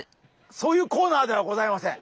そういうコーナーではございません。